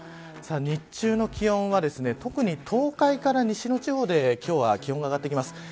日中の気温は特に東海から西の地方で今日は気温が上がってきます。